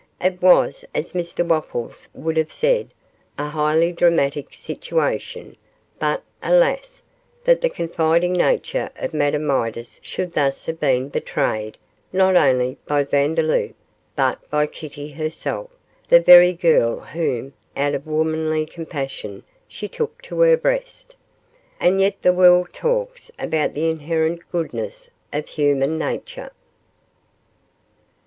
It was, as Mr Wopples would have said, a highly dramatic situation, but, alas, that the confiding nature of Madame Midas should thus have been betrayed, not only by Vandeloup, but by Kitty herself the very girl whom, out of womanly compassion, she took to her breast. And yet the world talks about the inherent goodness of human nature.